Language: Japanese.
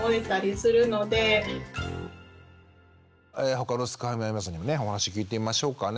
他のすくファミの皆さんにもねお話聞いてみましょうかね。